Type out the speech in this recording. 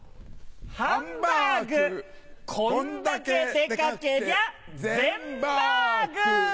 ハンバーグこんだけデカけりゃ全バーグ！